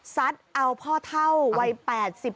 ซัดเอาพ่อเท่าวัย๘๕